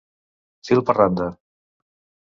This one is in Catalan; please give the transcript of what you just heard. Fil per randa.